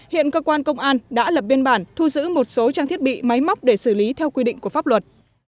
hiện cơ quan công an đã lập biên bản thu giữ một số trang thiết bị máy móc để xử lý theo quy định của pháp luật